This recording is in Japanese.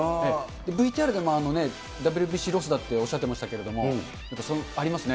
ＶＴＲでもＷＢＣロスだっておっしゃってましたけど、僕、ありますね。